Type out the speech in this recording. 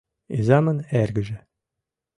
Изамын эргыже.